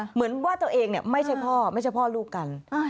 เหมือนว่าตัวเองไม่ใช่พ่อไม่ใช่พ่อลูกกัน